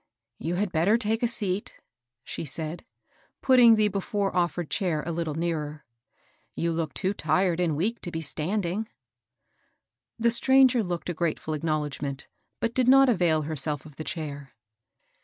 ^^ You had better take a seat," she said, putting 282 MABEL BOSS. the before offered chair a little nearer ;^^ you look too tired and weak to be standing." The stranger looked a grateful acknowledgment, but did not avail herself of the chair.